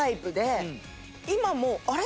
今も「あれ？」